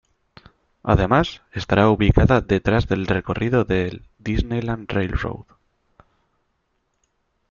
Además estará ubicada detrás del recorrido del Disneyland Railroad.